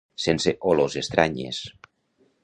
Sense olors estranyes.